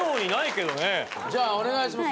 じゃあお願いします。